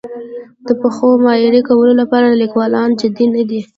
د پښتو د معیاري کولو لپاره لیکوالان جدي نه دي.